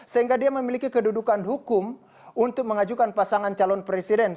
sehingga dia memiliki kedudukan hukum untuk mengajukan pasangan calon presiden